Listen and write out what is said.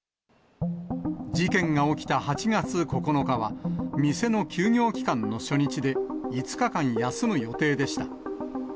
事件が起きた８月９日は、店の休業期間の初日で、５日間休む予定でした。